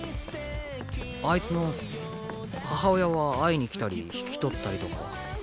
あいつの母親は会いに来たり引き取ったりとかは。